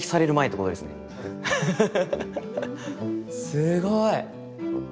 すごい！